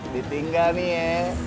ditinggal nih ya